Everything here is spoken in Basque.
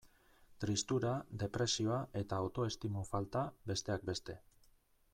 Tristura, depresioa eta autoestimu falta, besteak beste.